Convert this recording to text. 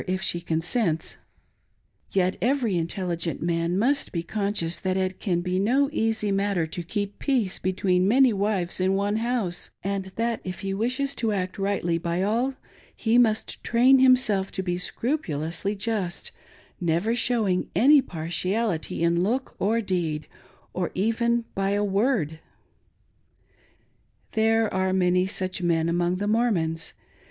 if she consents ; yet every inteUigent man must be conscious that it can be no easy matter to keep peace between many wives in one house, and that, if he wishes to act rightly by all, he must train himself to be scrupulously just, never showing any partiality in look or deed/ or even by a word. There are many such men among the Mormons.